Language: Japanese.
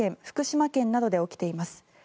福島県などで起きています。